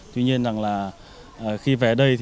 tuy nhiên khi về đây